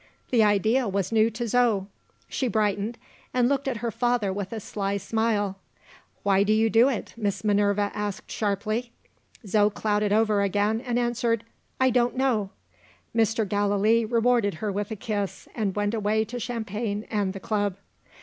The idea was new to Zo. She brightened, and looked at her father with a sly smile. "Why do you do it?" Miss Minerva asked sharply. Zo clouded over again, and answered, "I don't know." Mr. Gallilee rewarded her with a kiss, and went away to champagne and the club.